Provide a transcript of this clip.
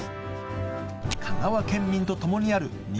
香川県民とともにある肉